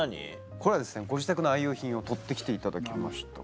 これはご自宅の愛用品を撮って来ていただきました。